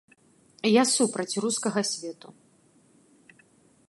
Я супраць рускага свету.